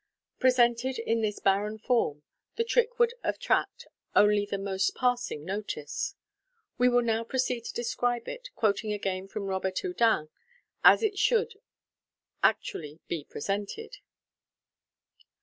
Presented in this barren form, the trick would attract only tha most passing notice. We will now proceed to describe it, quoting again from Robert Houdin, as it should actually be presented.